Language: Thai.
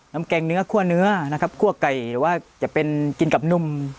แกงเนื้อคั่วเนื้อนะครับคั่วไก่หรือว่าจะเป็นกินกับนุ่ม